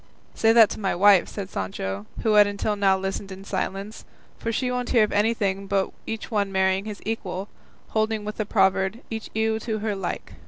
"Say that to my wife," said Sancho, who had until now listened in silence, "for she won't hear of anything but each one marrying his equal, holding with the proverb 'each ewe to her like.